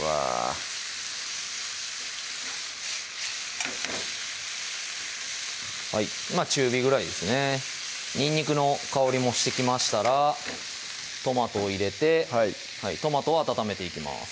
うわぁ中火ぐらいですねにんにくの香りもしてきましたらトマトを入れてトマトを温めていきます